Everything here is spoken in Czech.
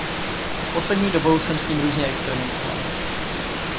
Poslední dobou jsem s tím různě experimentoval.